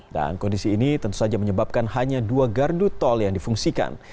kondisi ini tentu saja menyebabkan hanya dua gardu tol yang difungsikan